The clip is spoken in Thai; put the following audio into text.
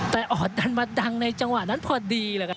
แต่ออดดันมาดังในจังหวะนั้นพอดีเลยครับ